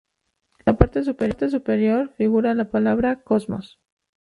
En la parte superior, figura la palabra "Cosmos".